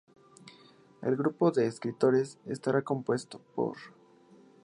El grupo de escritores estará compuesto por.